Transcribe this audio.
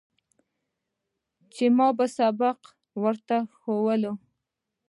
چې ما به سبقان ورته ښوول.